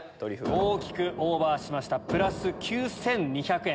大きくオーバーしましたプラス９２００円。